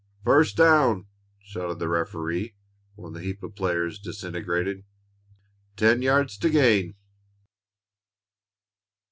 "First down!" shouted the referee when the heap of players disintegrated. "Ten yards to gain!"